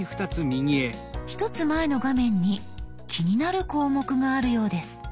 １つ前の画面に気になる項目があるようです。